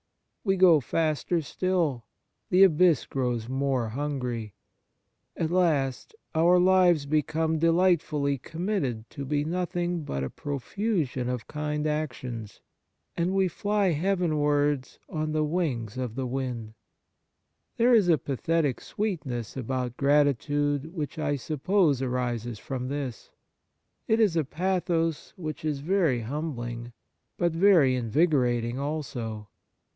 We go faster still ; the abyss grows more hungry ; at last our lives become delightfully committed to be nothing but a profusion of kind actions, and we Hy Kind Actions 93 heavenwards on the wings of the wind. There is a pathetic sweetness about grati tude which I suppose arises from this. It is a pathos which is very humbhng, but very invigorating also.